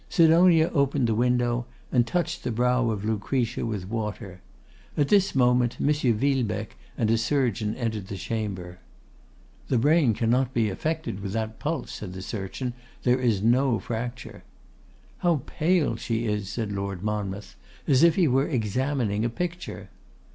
Sidonia opened the window, and touched the brow of Lucretia with water. At this moment M. Villebecque and a surgeon entered the chamber. 'The brain cannot be affected, with that pulse,' said the surgeon; 'there is no fracture.' 'How pale she is!' said Lord Monmouth, as if he were examining a picture.